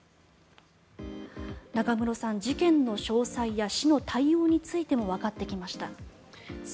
中室さん、事件の詳細や市の対応についてもわかってきました。